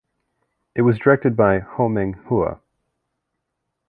It was directed by Ho Meng Hua.